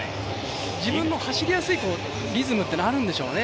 自分の走りやすいリズムっていうのがあるんでしょうね。